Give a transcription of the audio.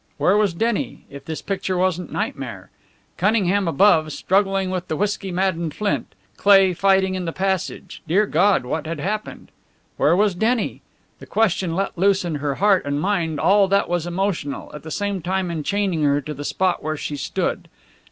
Where was Denny, if this picture wasn't nightmare? Cunningham above, struggling with the whisky maddened Flint Cleigh fighting in the passage! Dear God, what had happened? Where was Denny? The question let loose in her heart and mind all that was emotional, at the same time enchaining her to the spot where she stood.